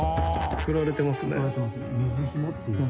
くくられてますね。